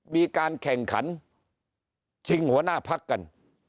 มีการแข่งขันชิงหัวหน้าพักกัน